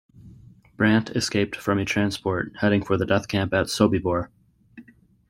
Brandt escaped from a transport heading for the death camp at Sobibor.